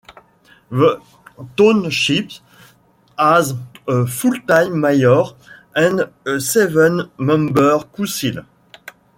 The Township has a full-time Mayor and a seven-member council.